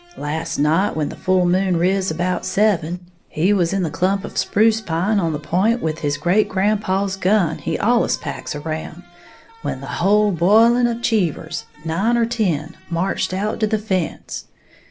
Last night when the full moon riz about seven, he was in the clump of spruce pine on the p'int with his great grandpaw's gun he allus packs around, when the whole b'iling of Cheevers, nine or ten, marched out to the fence.